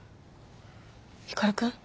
光くん？